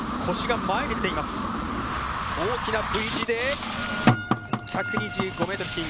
大きなＶ字で１２５ｍ付近。